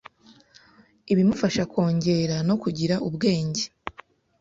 ibimufasha kongera no kugira ubwenge,